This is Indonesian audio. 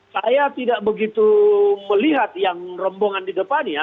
saya tidak begitu melihat yang rombongan di depan ya